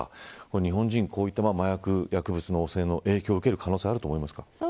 日本人はこういった麻薬薬物汚染の影響を受ける可能性はあると思いますか。